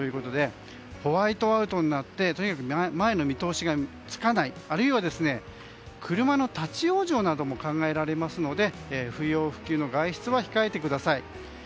ホワイトアウトになって前の見通しがつかないあるいは車の立ち往生なども考えられますので不要不急の外出は控えてください。